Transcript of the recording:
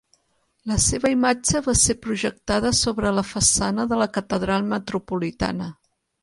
La seva imatge va ser projectada sobre la façana de la Catedral Metropolitana.